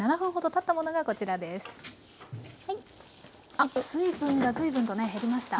あっ水分がずいぶんとね減りました。